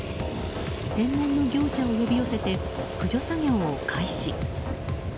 専門の業者を呼び寄せて駆除作業を開始。